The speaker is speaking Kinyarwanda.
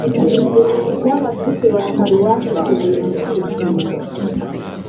n’abakristu ba paruwasi kibuye mu byishimo